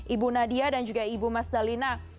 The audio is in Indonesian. ibu nadia dan juga ibu mas dalina